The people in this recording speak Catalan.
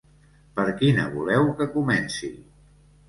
Per quina voleu que comenci?